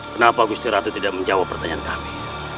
kenapa gusti ratu tidak menjawab pertanyaan kami